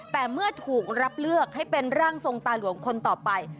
แต่เมื่อถูกรับเลือกให้เป็นร่างทรงตาหลวงคนต่อไป